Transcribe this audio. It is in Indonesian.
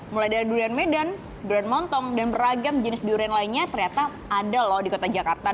mulai dari durian medan durian montong dan beragam jenis durian lainnya ternyata ada loh di kota jakarta